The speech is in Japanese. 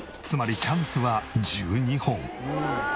つまりチャンスは１２本。